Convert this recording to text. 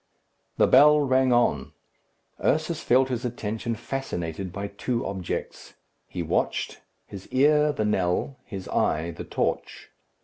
The bell rang on. Ursus felt his attention fascinated by two objects. He watched his ear the knell, his eye the torch.